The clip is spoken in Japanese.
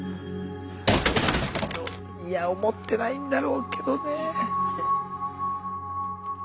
いや思ってないんだろうけどね。